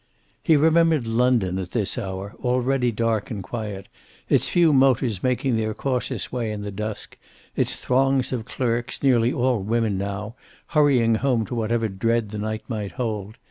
He remembered London at this hour, already dark and quiet, its few motors making their cautious way in the dusk, its throngs of clerks, nearly all women now, hurrying home to whatever dread the night might hold.